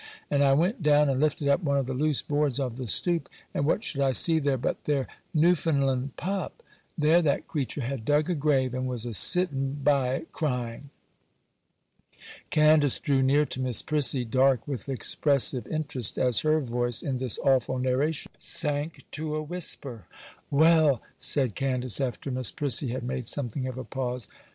And I went down, and lifted up one of the loose boards of the stoop, and what should I see there but their Newfoundland pup; there that creature had dug a grave, and was a sitting by it crying.' Candace drew near to Miss Prissy, dark with expressive interest, as her voice, in this awful narration, sank to a whisper. 'Well,' said Candace, after Miss Prissy had made something of a pause.